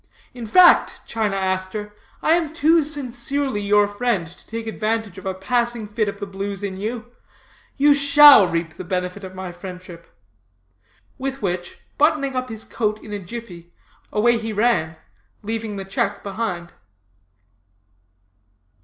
In fact, China Aster, I am too sincerely your friend to take advantage of a passing fit of the blues in you. You shall reap the benefit of my friendship.' With which, buttoning up his coat in a jiffy, away he ran, leaving the check behind.